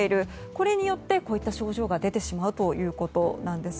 これによってこういった症状が出てしまうということなんです。